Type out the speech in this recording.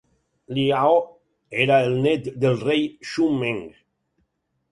Liao era el nét del rei Shoumeng.